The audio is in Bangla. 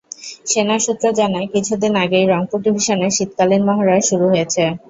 সেনা সূত্র জানায়, কিছুদিন আগেই রংপুর ডিভিশনে শীতকালীন মহড়া শুরু হয়েছে।